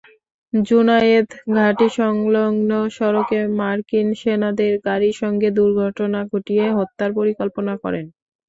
জুনায়েদ ঘাঁটিসংলগ্ন সড়কে মার্কিন সেনাদের গাড়ির সঙ্গে দুর্ঘটনা ঘটিয়ে হত্যার পরিকল্পনা করেন।